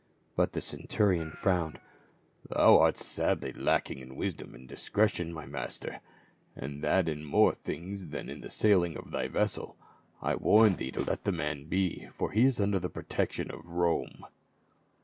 But the centurion frowned, " Thou art sadly lack ing in wisdom and discretion, my master, and that in more things than in the sailing of thy vessel. I warn thee to let the man be, for he is under the protection of Rome."